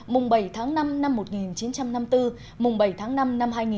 mùng bảy tháng năm năm một nghìn chín trăm năm mươi bốn mùng bảy tháng năm năm hai nghìn hai mươi bốn